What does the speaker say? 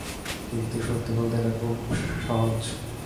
কিন্তু সত্যি বলতে এটা খুবই সহজ।